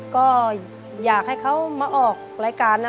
ก็อยากให้เขามาออกรายการนะ